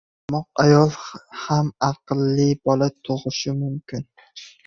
• Ahmoq ayol ham aqlli bola tug‘ishi mumkin.